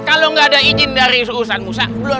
kalau gak ada izin dari suhusan musa